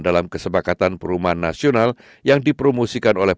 kita harus memiliki perusahaan yang lebih penting